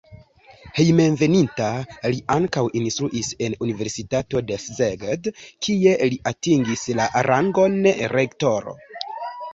Hejmenveninta li ankaŭ instruis en universitato de Szeged, kie li atingis la rangon rektoro.